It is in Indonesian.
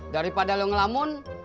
daripada lu ngelamun